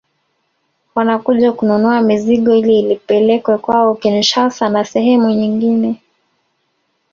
Wanakuja kununua mizigo ili ipelekwe kwao Kinshasa na sehemu nyingine